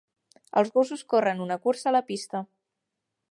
Els gossos corren una cursa a la pista.